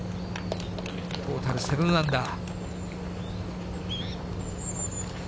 トータル７アンダー。